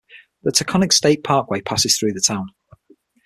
The Taconic State Parkway passes through the town.